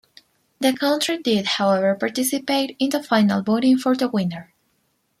The country did however participate in the final voting for the winner.